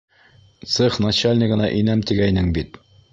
Цех начальнигына инәм тигәйнең бит.